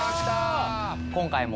今回も。